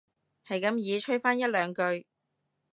係咁依吹返一兩句